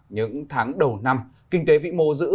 những tháng đầu năm kinh tế vĩ mô giữ